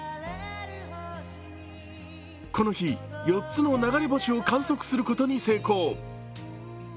この日、４つの流れ星を観測することに成功。